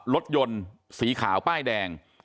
รถยนต์สีขาวป้ายแดง